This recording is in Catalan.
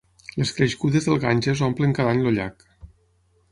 Les crescudes del Ganges omplen cada any el llac.